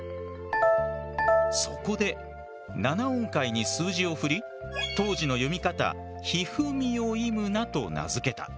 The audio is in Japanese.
そこで７音階に数字を振り当時の読み方ヒフミヨイムナと名付けた。